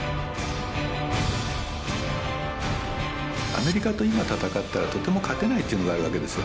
アメリカと今戦ったらとても勝てないっていうのがあるわけですよ。